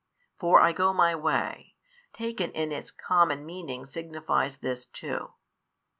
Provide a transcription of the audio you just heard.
For, I go My way, taken in its common meaning signifies this too.